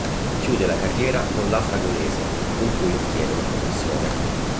Chiude la carriera con l'Afragolese, con cui ottiene una promozione.